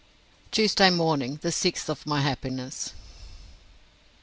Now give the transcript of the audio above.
Tuesday morning, the sixth of my happiness.